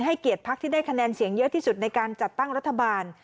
เกียรติพักที่ได้คะแนนเสียงเยอะที่สุดในการจัดตั้งรัฐบาล